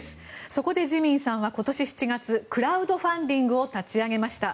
そこでジミーさんは今年７月クラウドファンディングを立ち上げました。